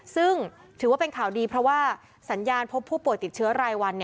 ซึ่งถือว่าเป็นข่าวดีเพราะว่าสัญญาณพบผู้ป่วยติดเชื้อรายวัน